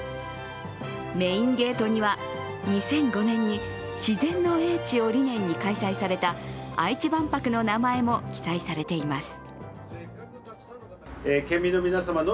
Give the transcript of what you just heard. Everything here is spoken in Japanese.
メインゲートには２００５年に「自然の叡智」を理念に開催された愛知万博の名前も記載されています。